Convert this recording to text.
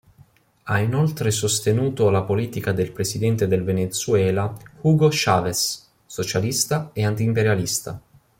Ha inoltre sostenuto la politica del presidente del Venezuela Hugo Chávez, socialista e anti-imperialista.